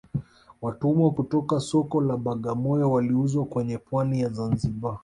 Watumwa kutoka soko la bagamoyo waliuzwa kwenye pwani ya zanzibar